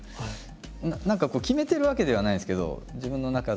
何か決めてるわけではないんですけど自分の中で。